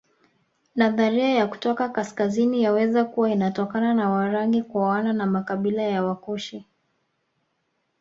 Nadharia ya kutoka kaskazini yaweza kuwa inatokana na Warangi kuoana na makabila ya Wakushi